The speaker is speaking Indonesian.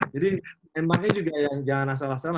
jadi emangnya juga yang jangan asal asalan